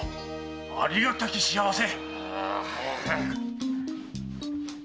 ありがたき幸せ！